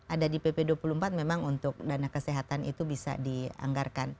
ada di pp dua puluh empat memang untuk dana kesehatan itu bisa dianggarkan